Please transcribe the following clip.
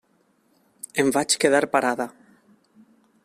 Em vaig quedar parada.